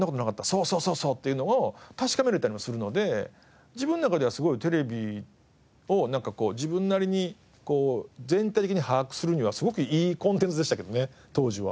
「そうそうそうそう」っていうのを確かめられたりもするので自分の中ではすごいテレビを自分なりに全体的に把握するにはすごくいいコンテンツでしたけどね当時は。